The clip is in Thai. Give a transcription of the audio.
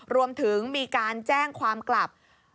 รวมถึงมีการแจ้งความกลับ